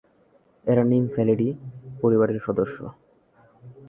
এরা ‘নিমফ্যালিডি’ পরিবারের সদস্য।